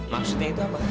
maksudnya itu apa